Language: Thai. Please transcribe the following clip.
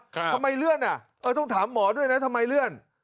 ทำไมเลื่อนอ่ะเออต้องถามหมอด้วยนะทำไมเลื่อน